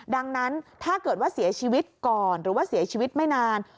ดังนั้นถ้าเกิดว่าเสียชีวิตก่อนหรือว่าเสียชีวิตไม่นาน